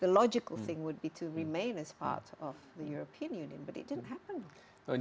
dan bukan hanya bergerak pasif dengan penyebab yang panjang